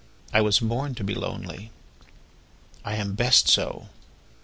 I was born to be lonely, I am best so!"